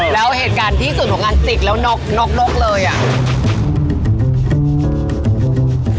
แล้วเหตุการณ์ที่สุดของอันติกแล้วนกเลยอะ